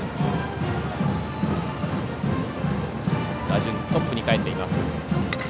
打順はトップに返っています。